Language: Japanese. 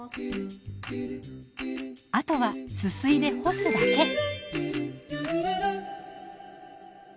あとはすすいで干すだけ。